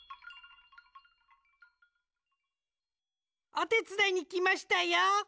おてつだいにきましたよ。